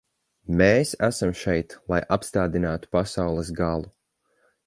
Mēs esam šeit, lai apstādinātu pasaules galu.